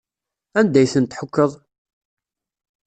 Anda ay tent-tḥukkeḍ?